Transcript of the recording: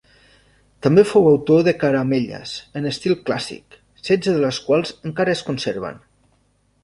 També fou autor de caramelles, en estil clàssic, setze de les quals encara es conserven.